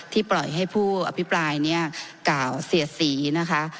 ที่ปล่อยให้ผู้อพิปรายเก่าเสียสีนะคะ